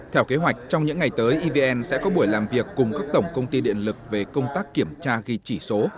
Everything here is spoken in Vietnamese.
theo kế hoạch trong những ngày tới evn sẽ có buổi làm việc cùng các tổng công ty điện lực về công tác kiểm tra ghi chỉ số